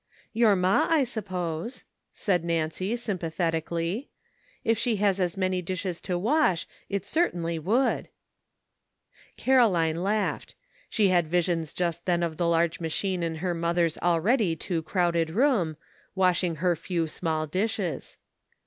"Your ma, I suppose," said Nancy, sympa thetically ; "if she has as many dishes to wash it certainly would." Caroline laughed ; she had visions just then 264 MACUINES AND NEWS. of the large machine in her mother's already too crowded room, washing her few small dishes.